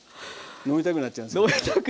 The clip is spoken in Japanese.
飲みたくなっちゃいますよね。